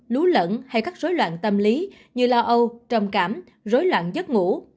lú lẫn hay các rối loạn tâm lý như lao âu trầm cảm rối loạn giấc ngủ